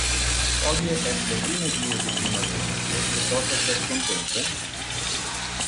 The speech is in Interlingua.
Hodie es le prime die de primavera, esque totes es contente?